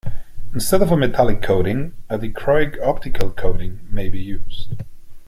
Instead of a metallic coating, a dichroic optical coating may be used.